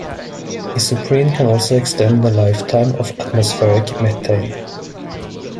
Isoprene can also extend the lifetime of atmospheric methane.